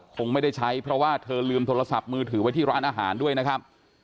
คงไม่ได้ใช้เพราะว่าเธอลืมโทรศัพท์มือถือไว้ที่ร้านอาหารด้วยนะครับ